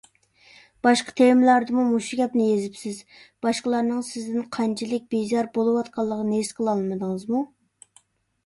باشقا تېمىلاردىمۇ مۇشۇ گەپنى يېزىپسىز، باشقىلارنىڭ سىزدىن قانچىلىك بىزار بولۇۋاتقانلىقىنى ھېس قىلالمىدىڭىزمۇ؟